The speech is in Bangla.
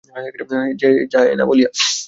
সে যায় না বলিয়া?